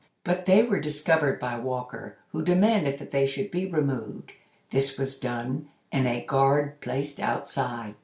But they were discovered by Walker, who demanded that they should be removed. This was done, and a guard placed outside.